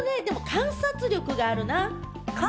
観察力があるな。